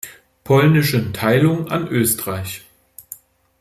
Polnischen Teilung an Österreich.